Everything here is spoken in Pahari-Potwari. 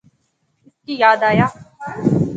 اس کی یاد آیا